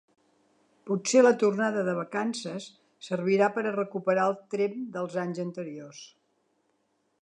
Potser la tornada de vacances servirà per a recuperar el tremp dels anys anteriors.